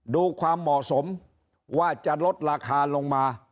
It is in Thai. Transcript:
ดูความเหมาะสมว่าจะลดราคาลงมา